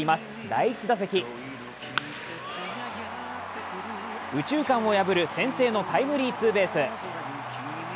第１打席、右中間を破る先制のタイムリーツーベース。